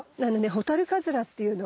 ホタルカズラって言うの。